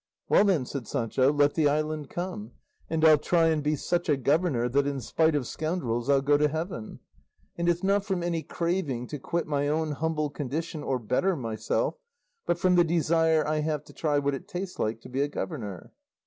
"Well then," said Sancho, "let the island come; and I'll try and be such a governor, that in spite of scoundrels I'll go to heaven; and it's not from any craving to quit my own humble condition or better myself, but from the desire I have to try what it tastes like to be a governor."